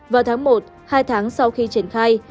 vào tháng một hai tháng sau khi triển khai